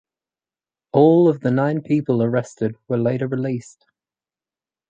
All of the nine people arrested were later released.